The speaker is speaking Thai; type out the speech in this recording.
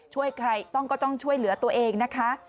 ช่วยใครต้องก็ต้องช่วยเหลือตัวเองนะคะ